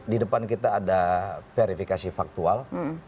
di depan kita ada verifikasi faktual